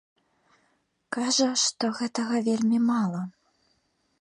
Кажа, што гэтага вельмі мала.